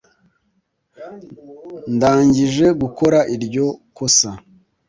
ndangije gukora iryo kosa